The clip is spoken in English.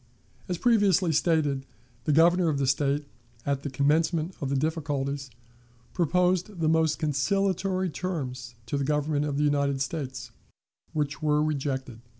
As previously stated, the Governor of the State, at the commencement of the difficulties, proposed the most conciliatory terms to the Government of the United States, which were rejected.